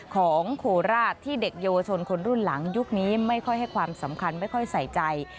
โคราชที่เด็กเยาวชนคนรุ่นหลังยุคนี้ไม่ค่อยให้ความสำคัญไม่ค่อยใส่ใจ